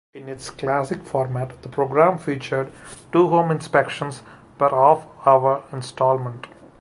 In its classic format, the program featured two home inspections per half-hour installment.